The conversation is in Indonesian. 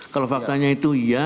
kalau faktanya itu ya